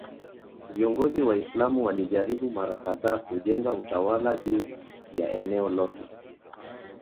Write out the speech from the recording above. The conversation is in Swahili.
Viongozi Waislamu walijaribu mara kadhaa kujenga utawala juu ya eneo lote.